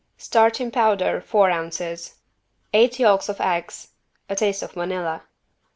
Starch in powder, four ounces. Eight yolks of eggs. A taste of vanilla.